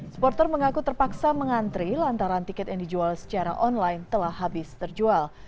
supporter mengaku terpaksa mengantri lantaran tiket yang dijual secara online telah habis terjual